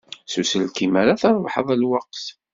S uselkim ara d-trebḥeḍ lweqt.